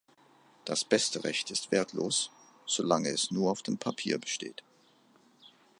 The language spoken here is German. Das beste Recht ist wertlos, so lange es nur auf dem Papier besteht.